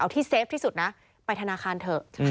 ที่เซฟที่สุดนะไปธนาคารเถอะ